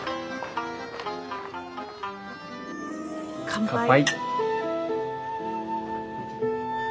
乾杯。